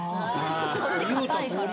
こっちかたいから。